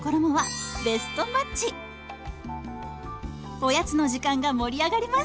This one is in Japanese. おやつの時間が盛り上がります！